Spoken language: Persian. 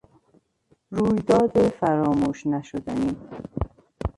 رویداد فراموش نشدنی